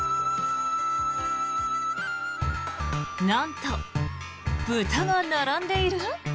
なんと、豚が並んでいる？